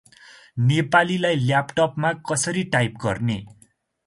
नेपालीलाई ल्यापटपमा कसरी टाइप गर्ने?